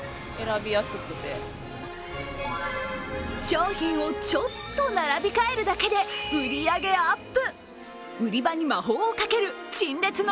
商品をちょっと並び変えるだけで売り上げアップ。